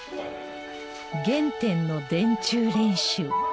原点の電柱練習。